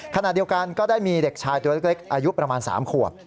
ขณะเดียวกันก็ได้มีเด็กชายตัวเล็กอายุประมาณ๓ขวบ